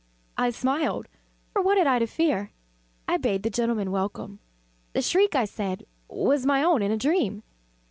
I smiled, for what had I to fear? I bade the gentlemen welcome. The shriek, I said, was my own in a dream.